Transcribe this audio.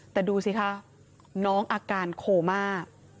แต่ดูสิคะน้องอาการโคม่า